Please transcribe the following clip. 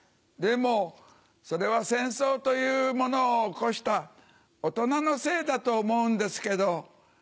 でもそれは戦争というものを起こした大人のせいだと思うんですけど。